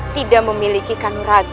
tidak memiliki kanuraga